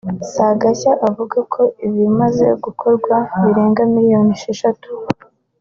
Sagashya avuga ko ibimaze gukorwa birenga miliyoni esheshatu